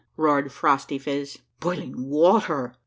" roared Phrostyphiz. " Boiling water